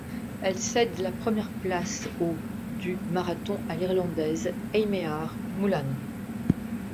Elle cède la première place au du marathon à l'Irlandaise Eimear Mullan.